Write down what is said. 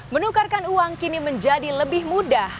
menukarkan uang kini menjadi lebih mudah